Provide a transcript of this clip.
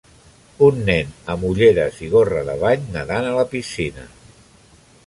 Un nen amb ulleres i gorra de bany nedant a la piscina.